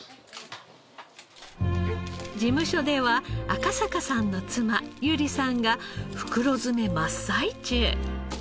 事務所では赤坂さん妻由里さんが袋詰め真っ最中。